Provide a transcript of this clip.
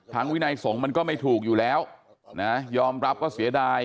วินัยสงฆ์มันก็ไม่ถูกอยู่แล้วนะยอมรับว่าเสียดาย